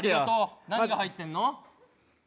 何が入ってんの？